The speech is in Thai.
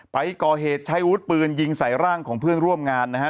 ไปก่อเหตุใช้วุฒิปืนยิงใส่ร่างของเพื่อนร่วมงานนะฮะ